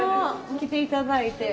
来ていただいて。